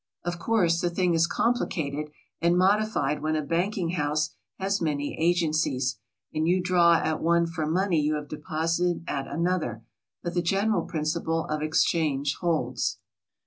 Of course, the thing is complicated and modified when a banking house has many agencies, and you draw at one for money you have deposited at another, but the general principle of exchange holds.